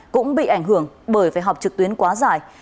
cũng bị ảnh hưởng bởi phải họp trực tuyến quá dài